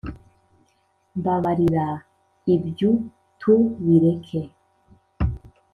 Mbabarira ibyu tu bireke